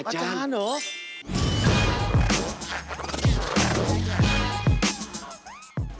อาจารย์เหรอ